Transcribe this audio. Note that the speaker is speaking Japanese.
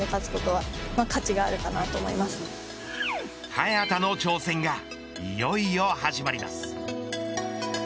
早田の挑戦がいよいよ始まります。